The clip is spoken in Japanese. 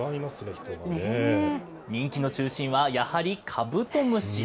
人気の中心はやはりカブトムシ。